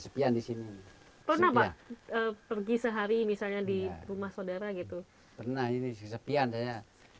pernah kesepian saya